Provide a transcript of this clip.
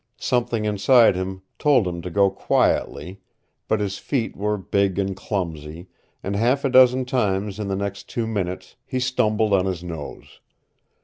Something inside him told him to go quietly, but his feet were big and clumsy, and half a dozen times in the next two minutes he stumbled on his nose.